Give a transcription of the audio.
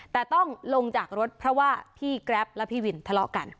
แต่ต้องลงจากรถเพราะว่าพี่แกรปและพี่วินทะเลาะกัน